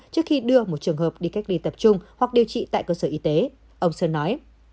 trước khi đưa một trường hợp đi cách ly tập trung hoặc điều trị tại cơ sở y tế ông sơn nói